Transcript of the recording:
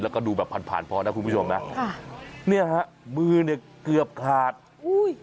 แล้วก็ดูแบบผ่านผ่านพอนะคุณผู้ชมนะค่ะเนี่ยฮะมือเนี่ยเกือบขาดอุ้ย